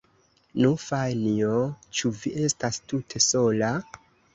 Nu, Fanjo, ĉu vi estas tute sola?